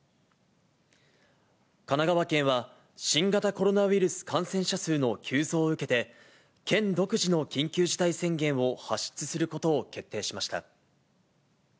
神奈川県は、新型コロナウイルス感染者数の急増を受けて、県独自の緊急事態宣言を発出することを決定しました。